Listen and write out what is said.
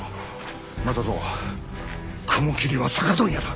政蔵雲霧は酒問屋だ。